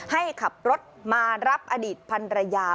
ให้ขับรถมารับอดีตพันรยา